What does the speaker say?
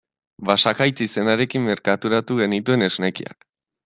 Basakaitz izenarekin merkaturatu genituen esnekiak.